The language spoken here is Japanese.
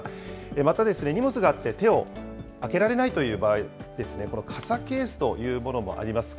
また、荷物があって手を空けられないという場合ですね、傘ケースというものもあります。